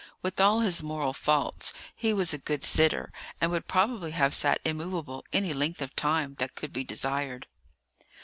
With all his moral faults, he was a good sitter, and would probably have sat immovable any length of time that could be desired.